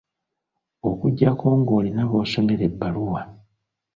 Okuggyako ng'olina b'osomera ebbaluwa.